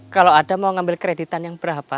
kalau ada mau ngambil kreditan yang berapa